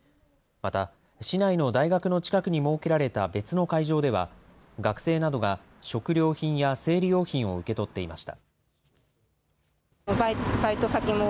また、市内の大学の近くに設けられた別の会場では、学生などが食料品や生理用品を受け取っていました。